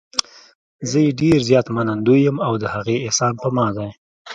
زه یې ډېر زیات منندوی یم او د هغې احسان پر ما دی.